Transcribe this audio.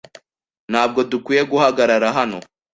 Ntabwo dukwiye guhagarara hano .